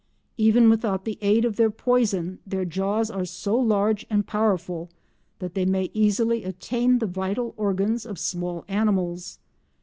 Even without the aid of their poison, their jaws are so large and powerful that they may easily attain the vital organs of small animals.